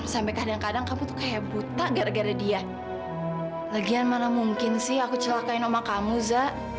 saya tidak pernah mengakuisinya